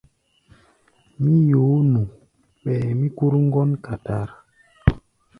Mí yoó nu, ɓɛɛ mí kúr ŋgɔ́n katar.